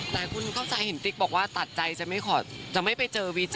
หลายคนเข้าใจเห็นติ๊กบอกว่าตัดใจจะไม่ไปเจอวีเจ